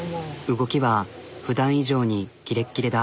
動きはふだん以上にキレッキレだ。